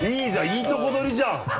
いいとこ取りじゃん